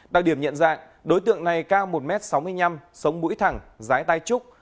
đặc điểm nhận dạng đối tượng này cao một m sáu mươi năm sống mũi thẳng rái tai trúc